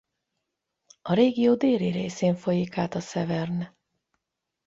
A régió déli részén folyik át a Severn.